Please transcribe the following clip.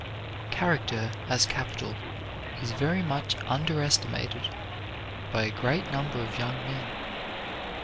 Character as capital is very much underestimated by a great number of young men.